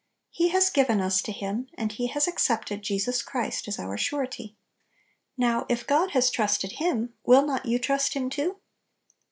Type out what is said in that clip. He has given us to Him, and He has accepted Jesus Christ as our Surety. Now, if God has trusted Him, will not you trust Him too?